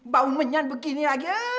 bau menyan begini lagi